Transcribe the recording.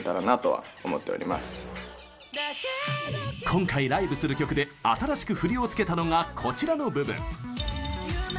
今回、ライブする曲で新しく振りを付けたのがこちらの部分。